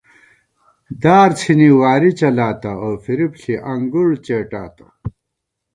دار څِھنی واری چَلاتہ اؤ فریب ݪی انگُڑ څېٹاتہ